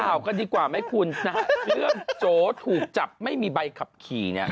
กันดีกว่าไหมคุณนะฮะเรื่องโจถูกจับไม่มีใบขับขี่เนี่ย